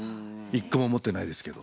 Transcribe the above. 一個も持ってないですけど。